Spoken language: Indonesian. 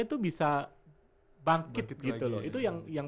itu bisa bangkit gitu loh itu yang